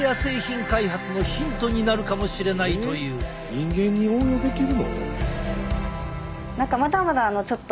人間に応用できるの？